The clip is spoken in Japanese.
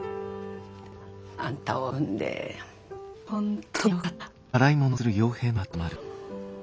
あんたを産んで本当によかった。